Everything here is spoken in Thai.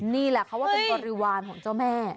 นี่แหละเขาว่าเป็นบริวารของเจ้าแม่